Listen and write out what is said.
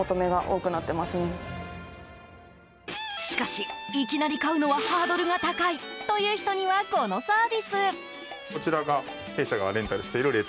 しかし、いきなり買うのはハードルが高いという人にはこのサービス。